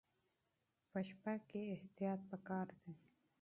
په شپه کې احتیاط پکار دی.